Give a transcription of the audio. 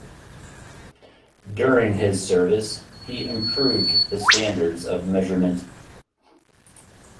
During his service, he improved the standards of measurement.